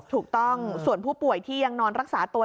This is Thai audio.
ถูกต้องส่วนผู้ป่วยที่ยังนอนรักษาตัว